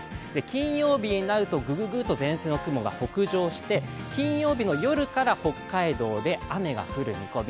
金曜日になるとぐぐぐっと前線が北上して、金曜日の夜から北海道で雨が降る見込み。